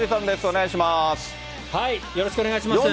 お願よろしくお願いします。